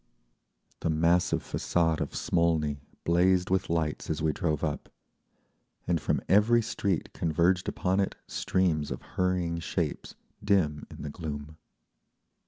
The massive façade of Smolny blazed with lights as we drove up, and from every street converged upon it streams of hurrying shapes dim in the gloom.